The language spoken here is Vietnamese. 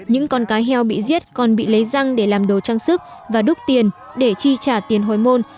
những con cá heo bị giết còn bị lấy răng để làm đồ trang sức và đúc tiền để chi trả tiền hồi môn